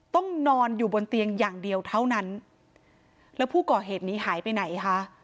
ต้องนอนอยู่บนเตียงอย่างเดียวเท่านั้นแล้วผู้ก่อเหตุนี้หายไปไหนคะ